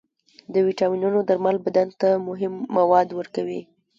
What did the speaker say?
د ویټامینونو درمل بدن ته مهم مواد ورکوي.